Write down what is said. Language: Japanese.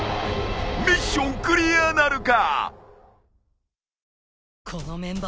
ミッションクリアなるか！？